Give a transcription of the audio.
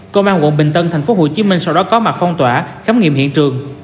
công an quận bình tân tp hcm sau đó có mặt phong tỏa khám nghiệm hiện trường